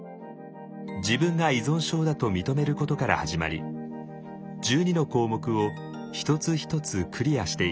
自分が依存症だと認めることから始まり１２の項目を一つ一つクリアしていきます。